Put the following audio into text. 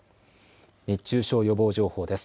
熱中症予防情報です。